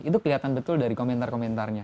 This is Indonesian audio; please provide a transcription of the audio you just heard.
itu kelihatan betul dari komentar komentarnya